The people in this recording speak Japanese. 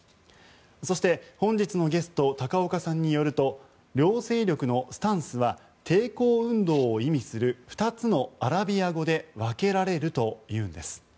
そして、本日のゲスト高岡さんによると両勢力のスタンスは抵抗運動を意味する２つのアラビア語で分けられるというんです。